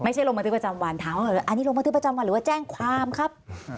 ลงบันทึกประจำวันถามว่าอันนี้ลงบันทึกประจำวันหรือว่าแจ้งความครับ